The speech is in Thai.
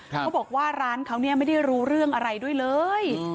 เขาบอกว่าร้านเขาเนี่ยไม่ได้รู้เรื่องอะไรด้วยเลย